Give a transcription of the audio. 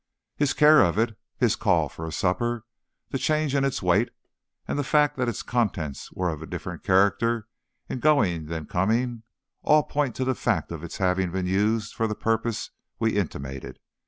"His care of it, his call for a supper, the change in its weight, and the fact that its contents were of a different character in going than coming, all point to the fact of its having been used for the purpose we intimated.